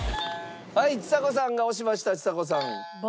はいちさ子さんが押しましたちさ子さん。